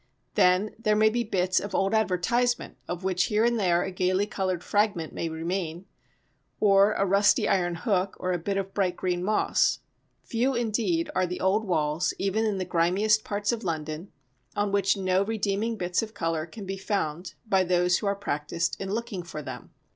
Then there may be bits of old advertisement of which here and there a gaily coloured fragment may remain, or a rusty iron hook or a bit of bright green moss; few indeed are the old walls, even in the grimiest parts of London, on which no redeeming bits of colour can be found by those who are practised in looking for them.